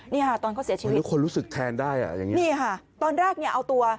นี่ค่ะตอนเขาเสียชีวิตอย่างนี้ค่ะตอนแรกเอาตัว